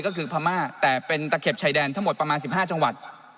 ก็คือพม่าแต่เป็นตะเข็บชายแดนทั้งหมดประมาณ๑๕จังหวัด